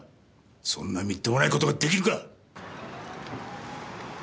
そんなみっともない事ができるか！